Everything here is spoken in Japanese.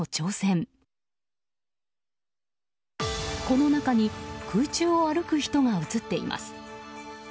この中に空中を歩く人が映っています。